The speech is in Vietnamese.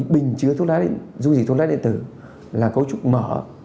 bình chứa dung dịch thuốc lá điện tử là cấu trúc mở